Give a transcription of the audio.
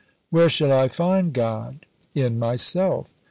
Where shall I find God? In myself.